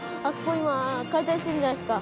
今解体してるじゃないですか。